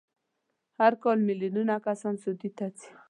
هر کال میلیونونه کسان سعودي ته ځي.